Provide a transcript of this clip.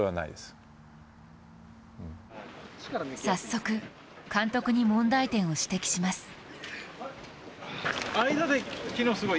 早速、監督に問題点を指摘します